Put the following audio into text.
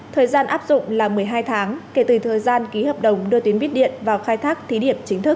thời gian áp dụng là một mươi hai tháng kể từ thời gian ký hợp đồng đưa tuyến bít điện vào khai thác thí điểm chính thức